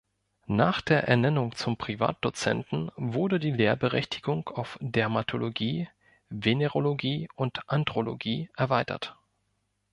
Nach der Ernennung zum Privatdozenten wurde die Lehrberechtigung auf Dermatologie, Venerologie und Andrologie erweitert.